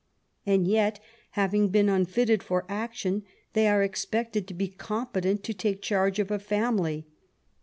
And yet, after having been unfitted for action, they are expected to be competent to take charge of a family.